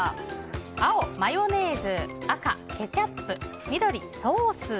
青、マヨネーズ赤、ケチャップ緑、ソース。